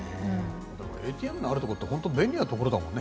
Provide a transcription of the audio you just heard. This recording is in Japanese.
ＡＴＭのあるところって便利なところだもんね。